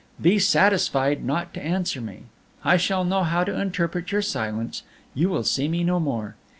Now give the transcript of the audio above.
Be satisfied not to answer me. I shall know how to interpret your silence; you will see me no more.